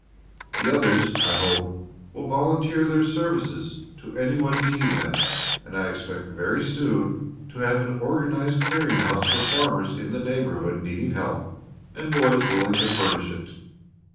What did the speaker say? The others, I hope, will volunteer their services to any one needing them, and I expect very soon to have an organized clearing house for farmers in the neighborhood needing help and boys willing to furnish it.